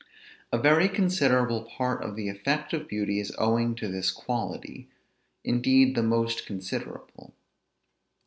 A very considerable part of the effect of beauty is owing to this quality; indeed the most considerable.